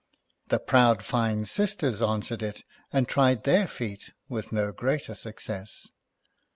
The proud fine sisters answered it, and tried their feet with no greater success.